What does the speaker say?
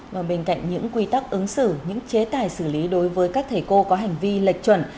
và bên cạnh những quy tắc ứng xử những chế tài xử lý đối với các thầy cô có hành vi lệch chuẩn